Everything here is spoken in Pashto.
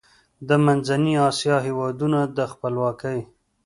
د منځنۍ اسیا هېوادونو د خپلواکۍ